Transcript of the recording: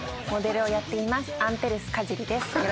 モデルをやっています。